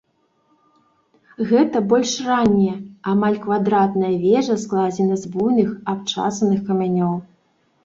Гэта больш ранняя, амаль квадратная вежа складзена з буйных абчасаных камянёў.